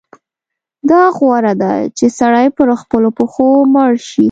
دا غوره ده چې سړی پر خپلو پښو مړ شي.